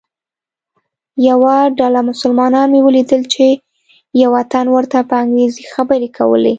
یوه ډله مسلمانان مې ولیدل چې یوه تن ورته په انګریزي خبرې کولې.